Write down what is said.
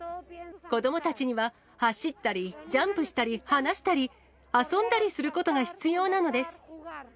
子どもたちには、走ったり、ジャンプしたり、話したり、遊んだりすることが必要なのです。